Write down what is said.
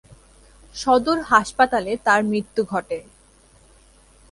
সদর হাসপাতালে তার মৃত্যু ঘটে।